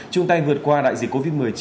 chúng ta vượt qua đại dịch covid một mươi chín